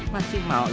masih mau mat